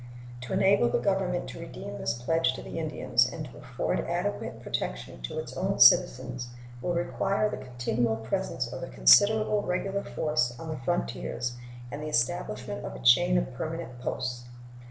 To enable the Government to redeem this pledge to the Indians and to afford adequate protection to its own citizens will require the continual presence of a considerable regular force on the frontiers and the establishment of a chain of permanent posts.